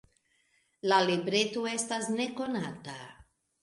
La libreto estas nekonata.